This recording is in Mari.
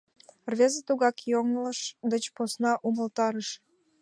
Рвезе тугак йоҥылыш деч посна умылтарыш.